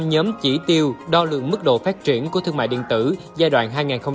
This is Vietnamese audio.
nhóm chỉ tiêu đo lượng mức độ phát triển của thương mại điện tử giai đoạn hai nghìn hai mươi một hai nghìn hai mươi năm